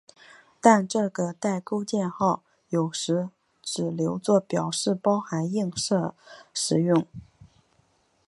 但这个带钩箭号有时只留作表示包含映射时用。